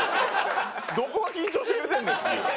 どこが緊張してくれてんねんっていう。